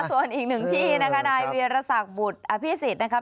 ส่วนอีกหนึ่งที่นะคะนายเวียรษักบุตรอภิษฎนะครับ